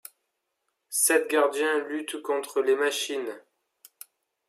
Sept gardiens luttent contre les machines.